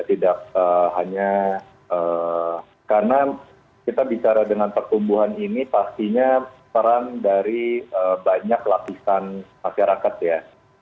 tidak hanya karena kita bicara dengan pertumbuhan ini pastinya peran dari banyak lapisan masyarakat ya